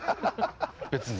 別に。